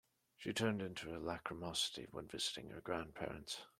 She turned into her lachrymosity while visiting her grandparents.